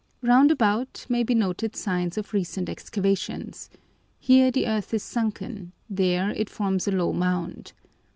Round about may be noted signs of recent excavations; here the earth is sunken, there it forms a low mound.